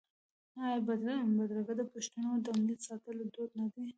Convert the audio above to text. آیا بدرګه د پښتنو د امنیت ساتلو دود نه دی؟